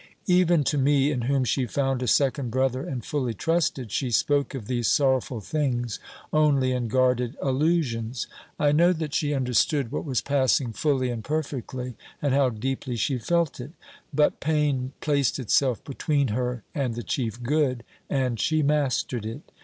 Even to me, in whom she found a second brother and fully trusted, she spoke of these sorrowful things only in guarded allusions. I know that she understood what was passing fully and perfectly, and how deeply she felt it; but pain placed itself between her and the 'chief good,' and she mastered it.